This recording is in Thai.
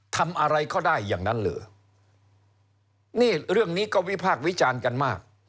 ทำอะไรก็ได้อย่างนั้นเหรอนี่เรื่องนี้ก็วิพากษ์วิจารณ์กันมาก